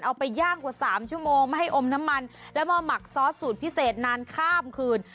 เอาไปย่างกว่า๓ชั่วโมงไม่ให้อมน้ำมันแล้วมาหมักซอสสูตรพิเศษนานข้ามคืน